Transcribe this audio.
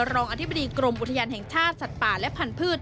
รองอธิบดีกรมอุทยานแห่งชาติสัตว์ป่าและพันธุ์